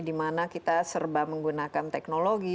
dimana kita serba menggunakan teknologi